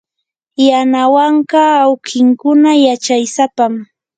yanawanka awkinkuna yachaysapam.